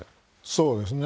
そうですね。